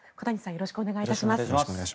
よろしくお願いします。